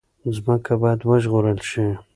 ځمکه باید وژغورل شي.